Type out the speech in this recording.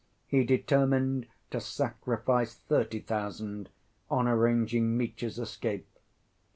He determined to sacrifice thirty thousand on arranging Mitya's escape.